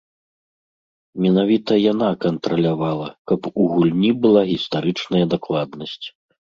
Менавіта яна кантралявала, каб у гульні была гістарычная дакладнасць.